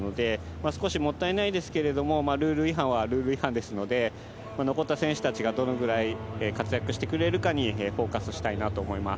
少しもったいないですけれどルール違反ですので、残った選手がどのくらい活躍してくれるかにフォーカスしたいなと思います。